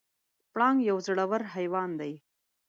پړانګ یو زړور حیوان دی.